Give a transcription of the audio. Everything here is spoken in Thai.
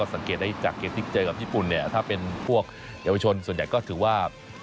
สังเกตได้จากเกมที่เจอกับญี่ปุ่นเนี่ยถ้าเป็นพวกเยาวชนส่วนใหญ่ก็ถือว่า